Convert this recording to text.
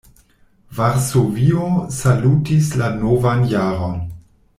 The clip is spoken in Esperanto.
Varsovio salutis la novan jaron.